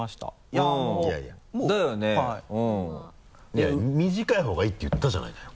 いやいや短い方がいいって言ったじゃないかよ。